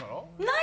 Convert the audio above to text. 何？